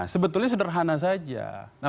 sebetulnya sederhana saja